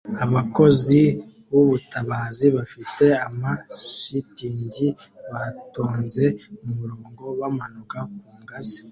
Abakozi b'ubutabazi bafite ama shitingi batonze umurongo bamanuka ku ngazi